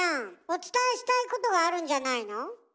お伝えしたいことがあるんじゃないの？